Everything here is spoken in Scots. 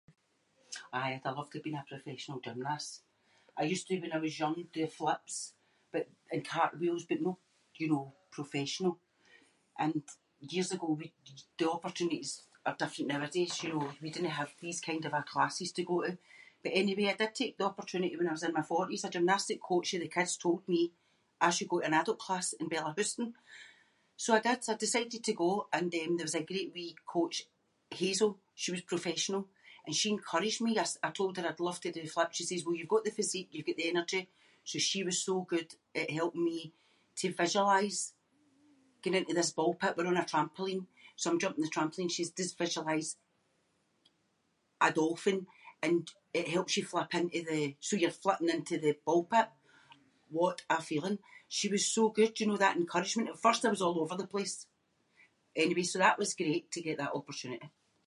Aye, I’d’ve loved to have been a professional gymnast. I used to when I was young do flips but- and cartwheels but no, you know, professional. And years ago we- the opportunities are different nowadays, you know, we didnae have these kind of a classes to go to. But anyway I did take the opportunity when I was in my forties. A gymnastics coach of the kids told me I should go to an adult class in Bellahouston. So I did, I decided to go and um there was a great wee coach Hazel. She was professional. And she encouraged me- I s- I told her I’d love to do flips. She says well you’ve got the physique, you’ve got the energy. So she was so good at helping me to visualise going into this ball pit- we’re on a trampoline, so I’m jumping the trampoline and she's just visualise a dolphin and it helps you flip into the- so you’re flipping into the ball pit. What a feeling. She was so good, you know, that encouragement. At first I was all over the place. Anyway, so that was great to get that opportunity.